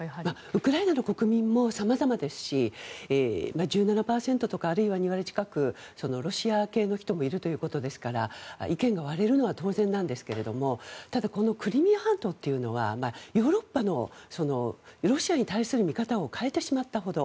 ウクライナの国民も様々ですし１７％とかあるいは２割近くロシア系の人もいるということですから意見が割れるのは当然なんですがただこのクリミア半島というのはヨーロッパのロシアに対する見方を変えてしまったほど。